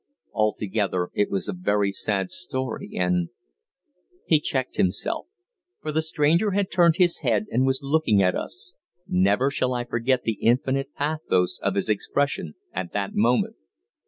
Altogether it was a very sad story and " He checked himself, for the stranger had turned his head and was looking at us never shall I forget the infinite pathos of his expression at that moment.